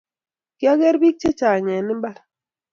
kiageer bik chechang eng mbar